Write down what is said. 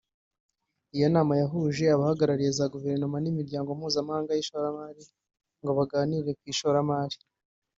Iyo nama yahuje abahagarariye za guverinoma n’imiryango mpuzamahanga y’ishoramari ngo baganire ku ishoramari